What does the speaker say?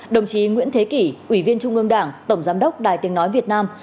đồng chí nguyễn thế kỷ ủy viên trung ương đảng tổng giám đốc đài tiếng nói việt nam